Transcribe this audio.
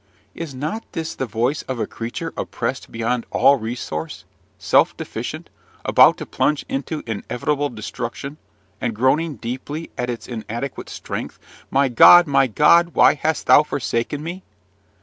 Is not this the voice of a creature oppressed beyond all resource, self deficient, about to plunge into inevitable destruction, and groaning deeply at its inadequate strength, "My God! my God! why hast thou forsaken me?"